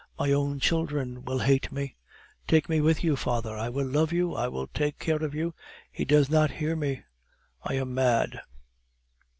My own children will hate me. Take me with you, father; I will love you, I will take care of you. He does not hear me ... I am mad..."